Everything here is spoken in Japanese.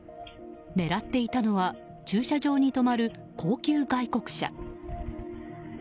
狙っていたのは駐車場に止まる高級外国車。